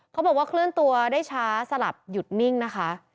เขาบอกว่าเคลื่อนตัวได้ช้าสลับหยุดนิ่งนะคะ